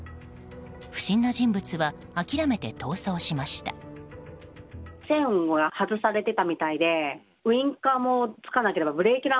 不審な人物は諦めて逃走しました。